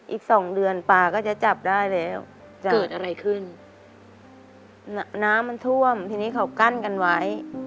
อีกสองเดือนปลาก็จะจับได้แล้วจะเกิดอะไรขึ้นน้ำมันท่วมทีนี้เขากั้นกันไว้